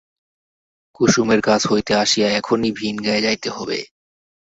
কুসুমের কাছ হইতে আসিয়া এখনি ভিনগায়ে যাইতে হইবে।